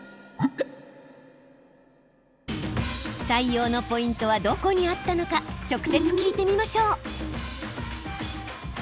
採用のポイントはどこにあったのか直接聞いてみましょう。